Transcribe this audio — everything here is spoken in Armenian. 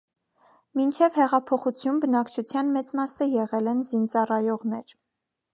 Մինչև հեղափոխոիթյուն բնակչության մեծ մասը եղել են զինծառայողներ։